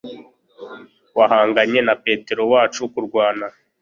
wahanganye na petero wacu kurwana